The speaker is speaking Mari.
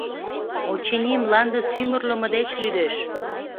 Очыни, мланде сӱмырлымӧ деч лӱдеш.